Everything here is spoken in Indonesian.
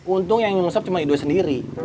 untung yang nyungsep cuma idoy sendiri